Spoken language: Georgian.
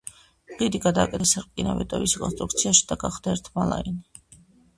ხიდი გადააკეთეს რკინაბეტონის კონსტრუქციაში და გახდა ერთმალიანი.